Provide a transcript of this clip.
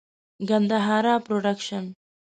ګندهارا پروډکشن.